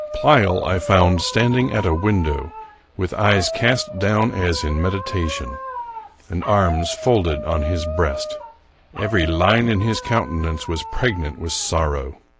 Pleyel I found standing at a window, with eyes cast down as in medi tation, and arms folded on his breast. Every line in his countenance was pregnant with sorrow.